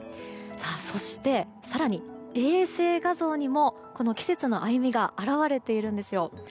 そして、更に衛星画像にもこの季節の歩みが表れているんですよ。